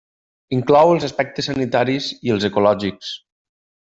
Inclou els aspectes sanitaris i els ecològics.